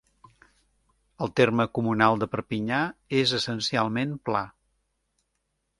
El terme comunal de Perpinyà és essencialment pla.